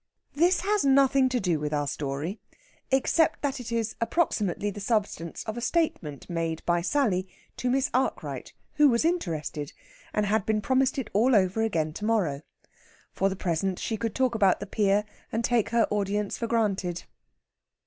This has nothing to do with our story except that it is approximately the substance of a statement made by Sally to Miss Arkwright, who was interested, and had been promised it all over again to morrow. For the present she could talk about the pier and take her audience for granted.